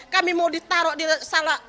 kami mau ditaruh di sana